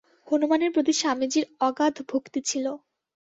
হনুমানের প্রতি স্বামীজীর অগাধ ভক্তি ছিল।